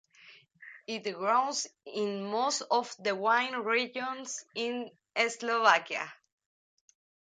It grows in most of the wine regions in Slovakia.